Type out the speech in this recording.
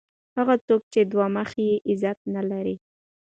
هغه څوک چي دوه مخی يي؛ عزت نه لري.